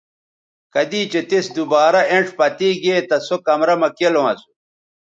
کدی چہء تِس دوبارہ اینڇ پتے گے تہ سو کمرہ مہ کیلوں اسو